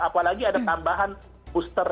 apalagi ada tambahan booster